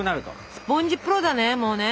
スポンジプロだねもうね。